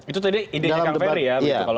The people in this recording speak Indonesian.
itu tadi idenya kang ferry ya